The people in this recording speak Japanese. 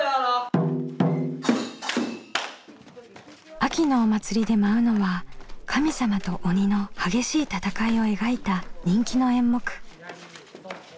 秋のお祭りで舞うのは神様と鬼の激しい戦いを描いた人気の演目。